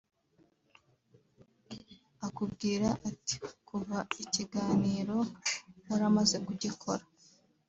akubwira ati kuva ikiganiro waramaze kugikora